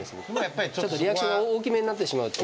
ちょっとリアクションが大きめになってしまうっていう。